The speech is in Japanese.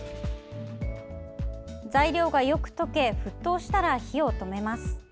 材料がよく溶け沸騰したら火を止めます。